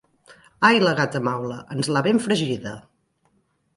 Ai, la gata maula: ens l'ha ben fregida!